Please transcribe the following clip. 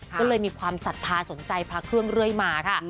ก็เลยมีความศรัทธาสนใจพระเครื่องเรื่อยมาค่ะ